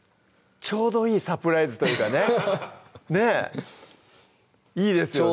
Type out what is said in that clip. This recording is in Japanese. ちょうどいいサプライズというかねねぇいいですよね